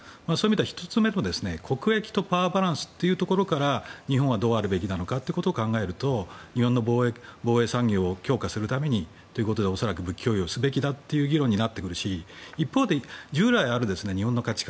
１つ目の国益とパワーバランスというところから日本はどうあるべきなのかということを考えると日本の防衛産業を強化するためにということで恐らく武器供与すべきだという議論になってくるし一方で、従来ある日本の価値観。